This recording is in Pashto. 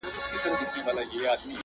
• زوړ غزل له نوي تغیراتو سره؟,